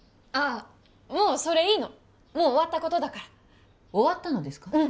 ああもうそれいいのもう終わったことだから終わったのですか？